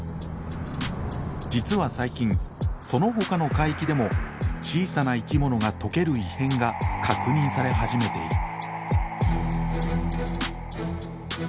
実は最近そのほかの海域でも小さな生き物が溶ける異変が確認され始めている。